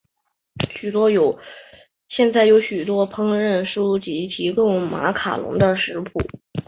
现在有许多烹饪书籍提供马卡龙的食谱。